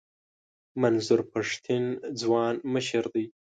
منظور پښتین ځوان مشر دی.